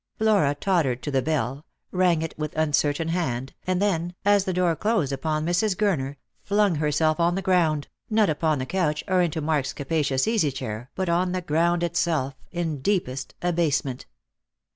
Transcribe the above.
Flora tottered to the bell, rang it with uncertain hand, and then, as the door closed upon Mrs. Gurner, flung herself on the ground — not upon the couch or into Mark's capacious easy chair, but on the ground itself, in deepest abasement.